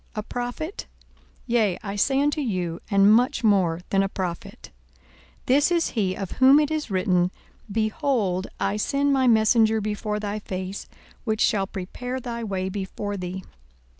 A prophet? Yea, I say unto you, and much more than a prophet. 42:007:027 This is he, of whom it is written, Behold, I send my messenger before thy face, which shall prepare thy way before thee.